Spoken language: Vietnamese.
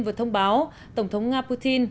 vừa thông báo tổng thống nga putin